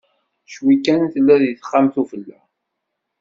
Ccwi kan tella deg texxamt ufella.